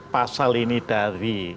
pasal ini dari